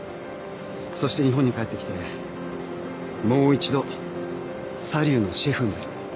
そして日本に帰ってきてもう１度サリューのシェフになる。